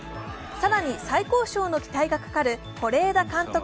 更に最高賞の期待がかかる是枝監督